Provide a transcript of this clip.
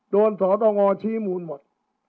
โดนสอดองอชีมูลหมด